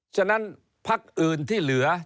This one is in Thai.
ฉะนั้นพักอื่นที่เหลือ